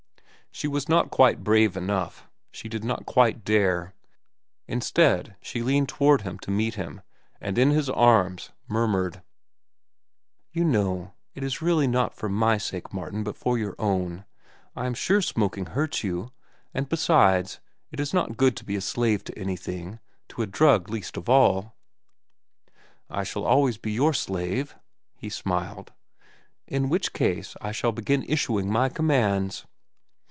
She was not quite brave enough; she did not quite dare. Instead, she leaned toward him to meet him, and in his arms murmured: "You know, it is really not for my sake, Martin, but for your own. I am sure smoking hurts you; and besides, it is not good to be a slave to anything, to a drug least of all." "I shall always be your slave," he smiled. "In which case, I shall begin issuing my commands."